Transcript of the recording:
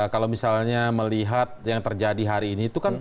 kalau misalnya melihat yang terjadi hari ini